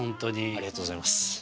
ありがとうございます。